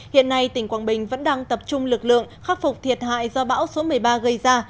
hiện nay tỉnh quảng bình vẫn đang tập trung lực lượng khắc phục thiệt hại do bão số một mươi ba gây ra